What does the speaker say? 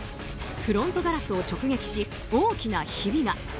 フロントガラスを直撃し大きなひびが。